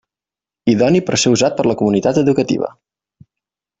Idoni per ser usat per la comunitat educativa.